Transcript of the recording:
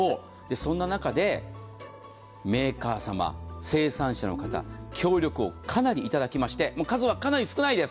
そんな中で、メーカー様、生産者の方、協力をかなりいただきまして、数はかなり少ないです。